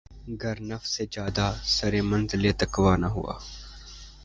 گر نفس جادہٴ سر منزلِ تقویٰ نہ ہوا